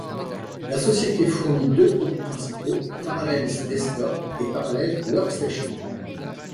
La société fournit deux produits principaux, Parallels Desktop et Parallels Workstation.